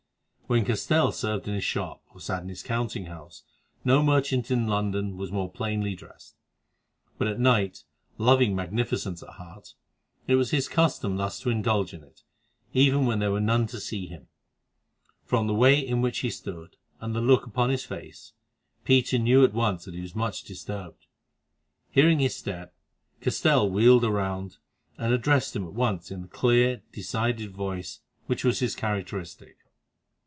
When Castell served in his shop or sat in his counting house no merchant in London was more plainly dressed; but at night, loving magnificence at heart, it was his custom thus to indulge in it, even when there were none to see him. From the way in which he stood, and the look upon his face, Peter knew at once that he was much disturbed. Hearing his step, Castell wheeled round and addressed him at once in the clear, decided voice which was his characteristic.